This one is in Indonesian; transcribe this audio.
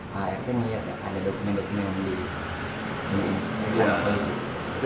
pak rkm ngeliat ya ada dokumen dokumen di smp itu